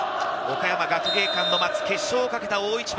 岡山学芸館の待つ決勝を懸けた大一番。